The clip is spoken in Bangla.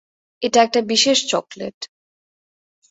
এটা একটা বিশেষ চকলেট।